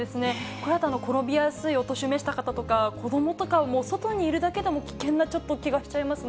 これだと転びやすいお年を召した方とか、子どもとかも、外にいるだけで危険な、ちょっと気がしちゃいますね。